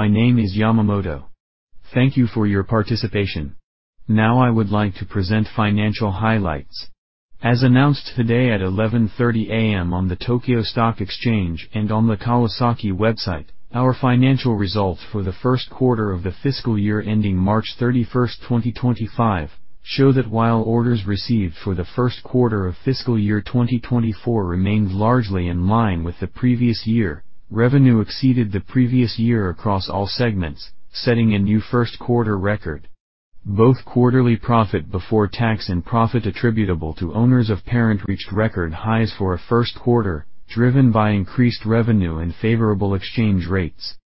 My name is Yamamoto. Thank you for your participation. Now I would like to present financial highlights. As announced today at 11:30 A.M. on the Tokyo Stock Exchange and on the Kawasaki website, our financial results for the first quarter of the fiscal year ending March 31, 2025, show that while orders received for the first quarter of FY 2024 remained largely in line with the previous year, revenue exceeded the previous year across all segments, setting a new first-quarter record. Both quarterly profit before tax and profit attributable to owners of parent reached record highs for a first quarter, driven by increased revenue and favorable exchange rates.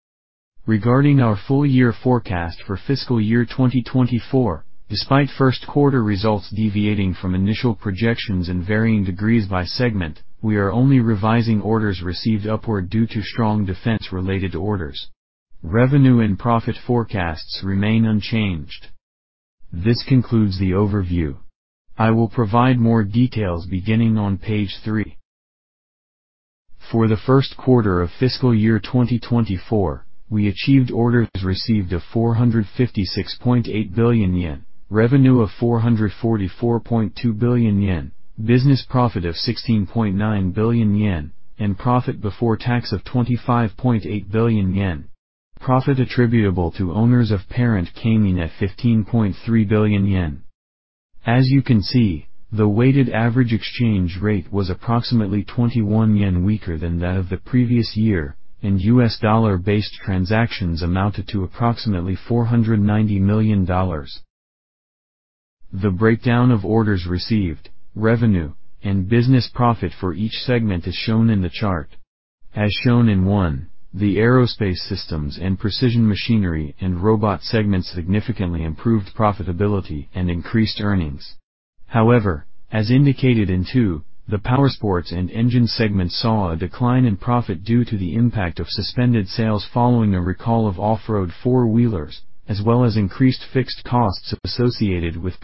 Regarding our full-year forecast for FY 2024, despite first-quarter results deviating from initial projections in varying degrees by segment, we are only revising orders received upward due to strong defense-related orders. Revenue and profit forecasts remain unchanged. This concludes the overview. I will provide more details beginning on page three. For the first quarter of FY 2024, we achieved orders received of 456.8 billion yen, revenue of 444.2 billion yen, business profit of 16.9 billion yen, and profit before tax of 25.8 billion yen. Profit attributable to owners of parent came in at 15.3 billion yen. As you can see, the weighted average exchange rate was approximately 21 yen weaker than that of the previous year, and U.S. dollar-based transactions amounted to approximately $490 million. The breakdown of orders received, revenue, and business profit for each segment is shown in the chart. As shown in one, the Aerospace Systems and Precision Machinery & Robot segment significantly improved profitability and increased earnings. However, as indicated in two, the Powersports & Engine segment saw a decline in profit due to the impact of suspended sales following a recall of off-road four-wheelers, as well as increased fixed costs associated with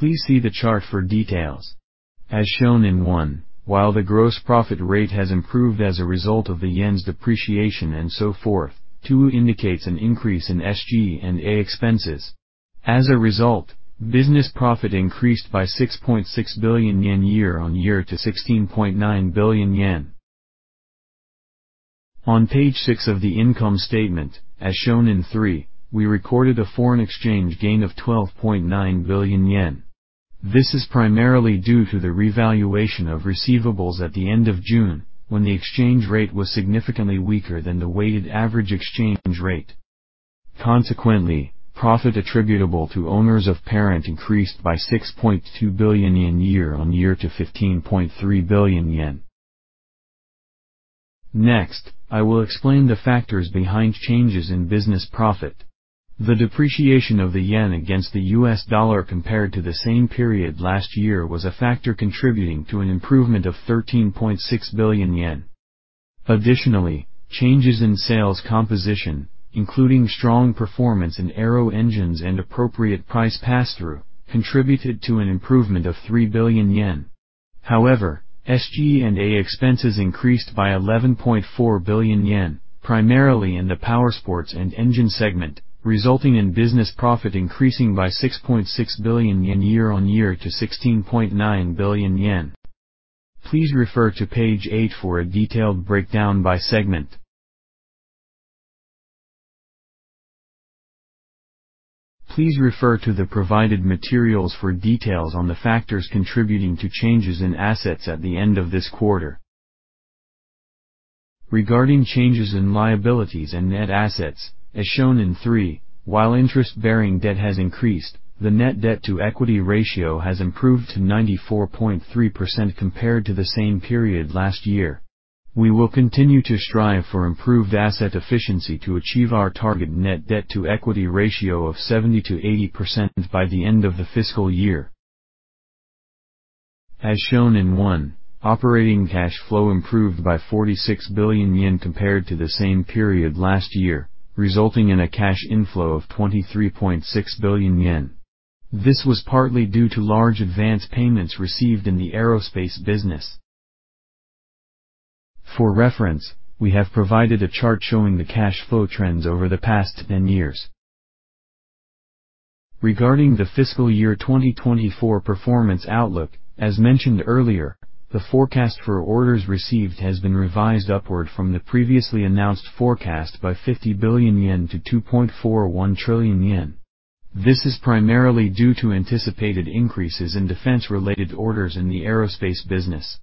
production expansion investments. Please see the chart for details. As shown in one, while the gross profit rate has improved as a result of the yen's depreciation and so forth, two indicates an increase in SG&A expenses. As a result, business profit increased by 6.6 billion yen year-on-year to 16.9 billion yen. On page six of the income statement, as shown in three, we recorded a foreign exchange gain of 12.9 billion yen. This is primarily due to the revaluation of receivables at the end of June, when the exchange rate was significantly weaker than the weighted average exchange rate. Consequently, profit attributable to owners of parent increased by 6.2 billion yen year-on-year to 15.3 billion yen. Next, I will explain the factors behind changes in business profit. The depreciation of the yen against the U.S. dollar compared to the same period last year was a factor contributing to an improvement of 13.6 billion yen. Additionally, changes in sales composition, including strong performance in Aero Engines and appropriate price pass-through, contributed to an improvement of 3 billion yen. However, SG&A expenses increased by 11.4 billion yen, primarily in the Powersports & Engine segment, resulting in business profit increasing by 6.6 billion yen year-on-year to 16.9 billion yen. Please refer to page eight for a detailed breakdown by segment. Please refer to the provided materials for details on the factors contributing to changes in assets at the end of this quarter. Regarding changes in liabilities and net assets, as shown in three, while interest-bearing debt has increased, the net debt to equity ratio has improved to 94.3% compared to the same period last year. We will continue to strive for improved asset efficiency to achieve our target net debt to equity ratio of 70%-80% by the end of the fiscal year. As shown in one, operating cash flow improved by 46 billion yen compared to the same period last year, resulting in a cash inflow of 23.6 billion yen. This was partly due to large advance payments received in the aerospace business. For reference, we have provided a chart showing the cash flow trends over the past 10 years. Regarding the FY 2024 performance outlook, as mentioned earlier, the forecast for orders received has been revised upward from the previously announced forecast by 50 billion yen to 2.41 trillion yen. This is primarily due to anticipated increases in defense-related orders in the aerospace business.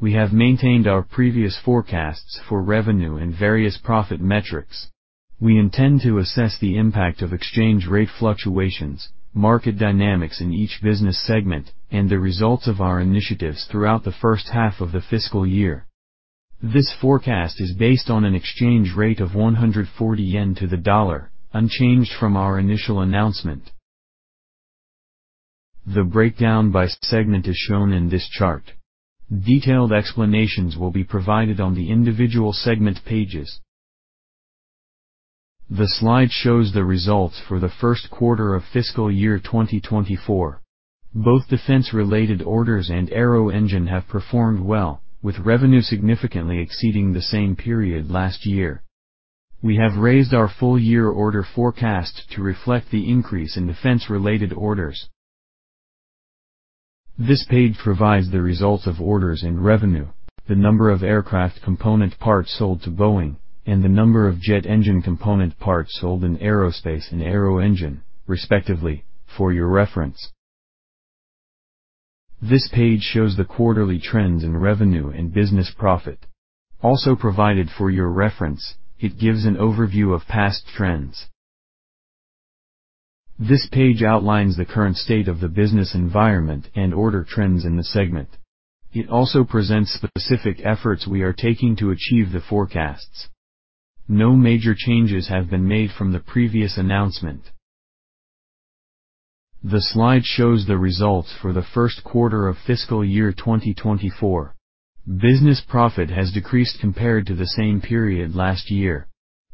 We have maintained our previous forecasts for revenue and various profit metrics. We intend to assess the impact of exchange rate fluctuations, market dynamics in each business segment, and the results of our initiatives throughout the first half of the fiscal year. This forecast is based on an exchange rate of 140 yen to the USD, unchanged from our initial announcement. The breakdown by segment is shown in this chart. Detailed explanations will be provided on the individual segment pages. The slide shows the results for the first quarter of FY 2024. Both defense-related orders and Aero Engine have performed well, with revenue significantly exceeding the same period last year. We have raised our full-year order forecast to reflect the increase in defense-related orders. This page provides the results of orders and revenue, the number of aircraft component parts sold to Boeing, and the number of jet engine component parts sold in Aerospace and Aero Engine, respectively, for your reference. This page shows the quarterly trends in revenue and business profit. Also provided for your reference, it gives an overview of past trends. This page outlines the current state of the business environment and order trends in the segment. It also presents the specific efforts we are taking to achieve the forecasts. No major changes have been made from the previous announcement. The slide shows the results for the first quarter of FY 2024. Business profit has decreased compared to the same period last year.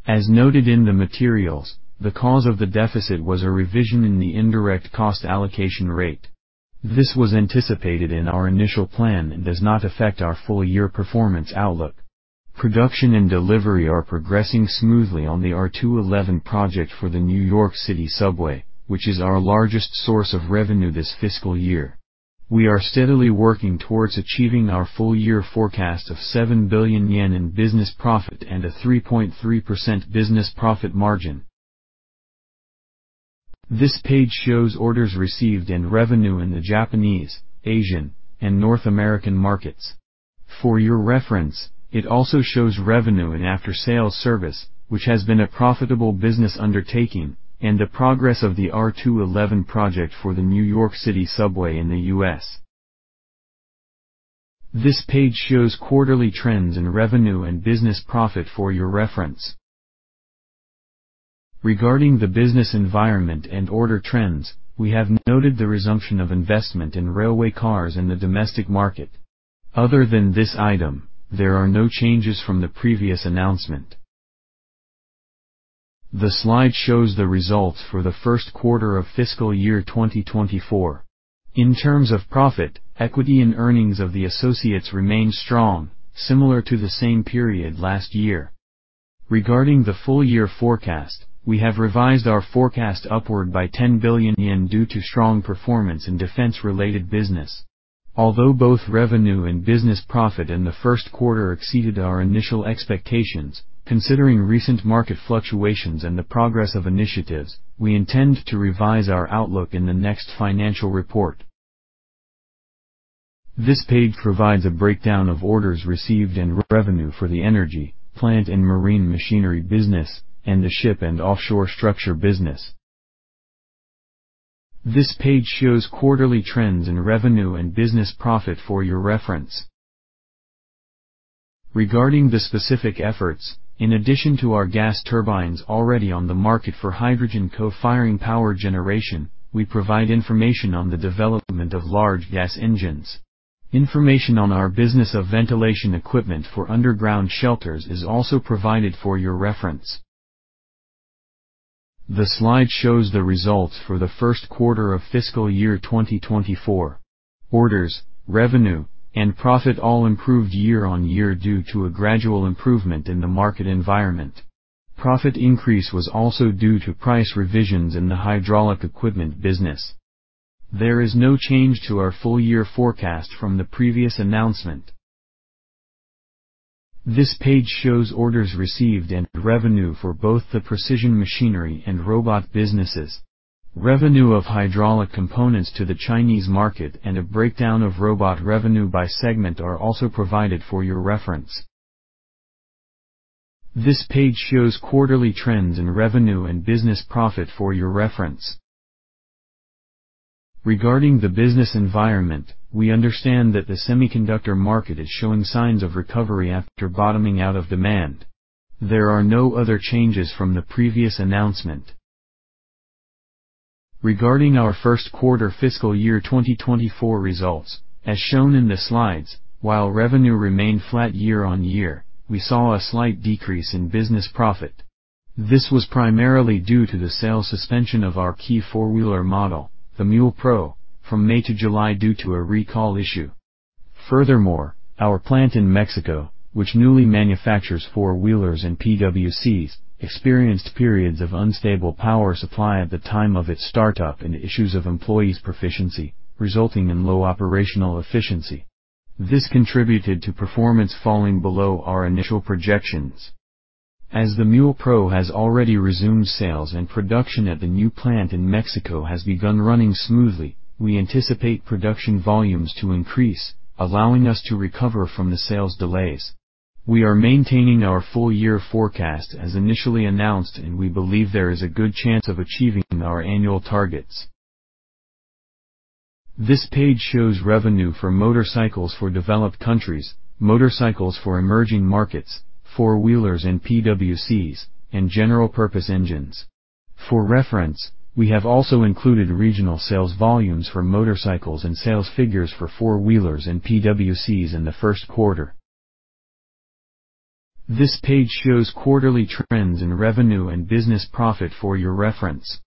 As noted in the materials, the cause of the deficit was a revision in the indirect cost allocation rate. This was anticipated in our initial plan and does not affect our full-year performance outlook. Production and delivery are progressing smoothly on the R211 project for the New York City Subway, which is our largest source of revenue this fiscal year. We are steadily working towards achieving our full-year forecast of 7 billion yen in business profit and a 3.3% business profit margin. This page shows orders received and revenue in the Japanese, Asian, and North American markets. For your reference, it also shows revenue and after-sales service, which has been a profitable business undertaking, and the progress of the R211 project for the New York City Subway in the U.S. This page shows quarterly trends in revenue and business profit for your reference. Regarding the business environment and order trends, we have noted the resumption of investment in railway cars in the domestic market. Other than this item, there are no changes from the previous announcement. The slide shows the results for the first quarter of FY 2024. In terms of profit, equity and earnings of the associates remained strong, similar to the same period last year. Regarding the full-year forecast, we have revised our forecast upward by 10 billion yen due to strong performance in defense-related business. Although both revenue and business profit in the first quarter exceeded our initial expectations, considering recent market fluctuations and the progress of initiatives, we intend to revise our outlook in the next financial report. This page provides a breakdown of orders received and revenue for the Energy Solution & Marine Engineering business, and the ship and offshore structure business. This page shows quarterly trends in revenue and business profit for your reference. Regarding the specific efforts, in addition to our gas turbines already on the market for hydrogen co-firing power generation, we provide information on the development of large gas engines. Information on our business of ventilation equipment for underground shelters is also provided for your reference. The slide shows the results for the first quarter of FY 2024. Orders, revenue, and profit all improved year on year due to a gradual improvement in the market environment. Profit increase was also due to price revisions in the hydraulic equipment business. There is no change to our full-year forecast from the previous announcement. This page shows orders received and revenue for both the Precision Machinery & Robot businesses. Revenue of hydraulic components to the Chinese market and a breakdown of robot revenue by segment are also provided for your reference. This page shows quarterly trends in revenue and business profit for your reference. Regarding the business environment, we understand that the semiconductor market is showing signs of recovery after bottoming out of demand. There are no other changes from the previous announcement. Regarding our first quarter FY 2024 results, as shown in the slides, while revenue remained flat year on year, we saw a slight decrease in business profit. This was primarily due to the sales suspension of our key four-wheeler model, the MULE PRO, from May to July due to a recall issue. Furthermore, our plant in Mexico, which newly manufactures four-wheelers and PWCs, experienced periods of unstable power supply at the time of its startup and issues of employees' proficiency, resulting in low operational efficiency. This contributed to performance falling below our initial projections. As the MULE PRO has already resumed sales and production at the new plant in Mexico has begun running smoothly, we anticipate production volumes to increase, allowing us to recover from the sales delays. We are maintaining our full-year forecast as initially announced, and we believe there is a good chance of achieving our annual targets. This page shows revenue for motorcycles for developed countries, motorcycles for emerging markets, four-wheelers and PWCs, and general-purpose engines. For reference, we have also included regional sales volumes for motorcycles and sales figures for four-wheelers and PWCs in the first quarter. This page shows quarterly trends in revenue and business profit for your reference.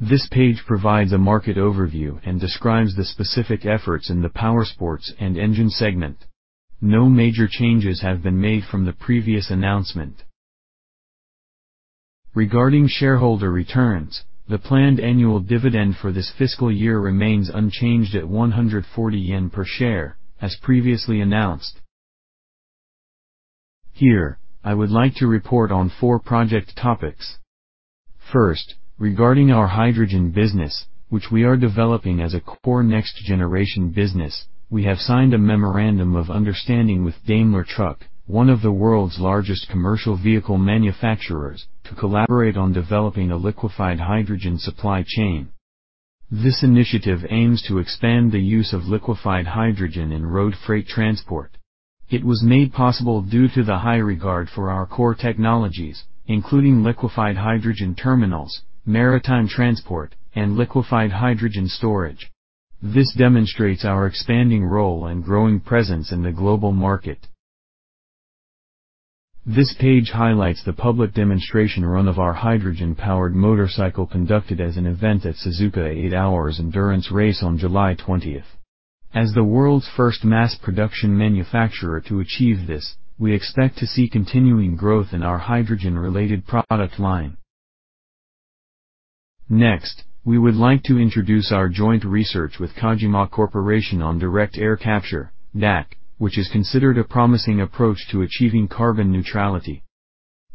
This page provides a market overview and describes the specific efforts in the Powersports & Engine segment. No major changes have been made from the previous announcement. Regarding shareholder returns, the planned annual dividend for this fiscal year remains unchanged at 140 yen per share, as previously announced. I would like to report on four project topics. First, regarding our hydrogen business, which we are developing as a core next-generation business, we have signed a memorandum of understanding with Daimler Truck, one of the world's largest commercial vehicle manufacturers, to collaborate on developing a liquefied hydrogen supply chain. This initiative aims to expand the use of liquefied hydrogen in road freight transport. It was made possible due to the high regard for our core technologies, including liquefied hydrogen terminals, maritime transport, and liquefied hydrogen storage. This demonstrates our expanding role and growing presence in the global market. This page highlights the public demonstration run of our hydrogen-powered motorcycle conducted as an event at Suzuka 8 Hours endurance race on July 20th. As the world's first mass production manufacturer to achieve this, we expect to see continuing growth in our hydrogen-related product line. We would like to introduce our joint research with Kajima Corporation on direct air capture, DAC, which is considered a promising approach to achieving carbon neutrality.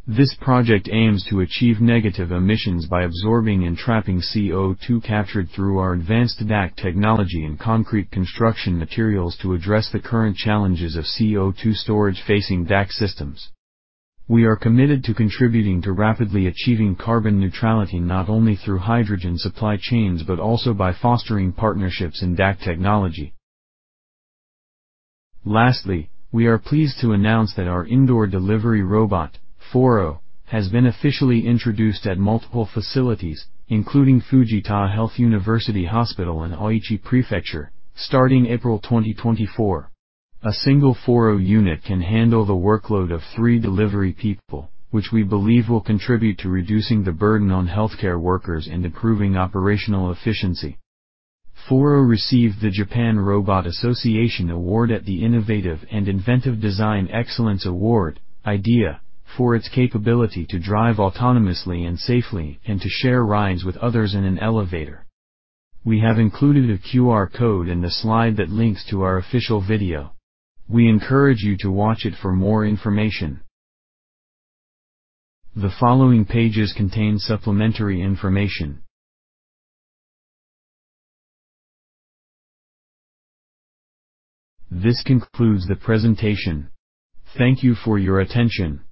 This project aims to achieve negative emissions by absorbing and trapping CO₂ captured through our advanced DAC technology in concrete construction materials to address the current challenges of CO₂ storage facing DAC systems. We are committed to contributing to rapidly achieving carbon neutrality not only through hydrogen supply chains but also by fostering partnerships in DAC technology. Lastly, we are pleased to announce that our indoor delivery robot, FORRO, has been officially introduced at multiple facilities, including Fujita Health University Hospital in Aichi Prefecture, starting April 2024. A single FORRO unit can handle the workload of three delivery people, which we believe will contribute to reducing the burden on healthcare workers and improving operational efficiency. FORRO received the Japan Robot Association Award at the International Design Excellence Awards, IDEA, for its capability to drive autonomously and safely and to share rides with others in an elevator. We have included a QR code in the slide that links to our official video. We encourage you to watch it for more information. The following pages contain supplementary information. This concludes the presentation. Thank you for your attention.